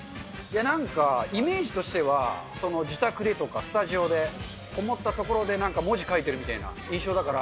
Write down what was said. なんか、イメージとしては、自宅でとか、スタジオで、思ったところでなんか文字書いてるみたいな印象だから。